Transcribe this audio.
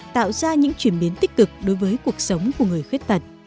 tạo ra những chuyển biến tích cực đối với cuộc sống của người khuyết tật